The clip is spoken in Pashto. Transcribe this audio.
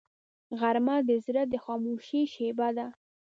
غرمه د زړه د خاموشۍ شیبه ده